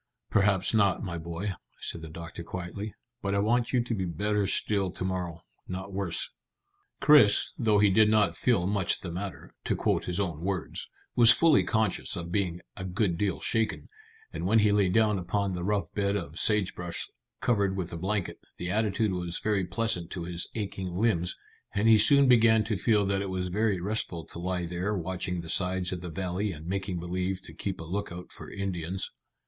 "Perhaps not, my boy," said the doctor quietly, "but I want you to be better still to morrow, not worse." Chris, though he did not feel much the matter, to quote his own words, was fully conscious of being a good deal shaken, and when he lay down upon the rough bed of sage brush covered with a blanket, the attitude was very pleasant to his aching limbs, and he soon began to feel that it was very restful to lie there watching the sides of the valley and making believe to keep a lookout for Indians.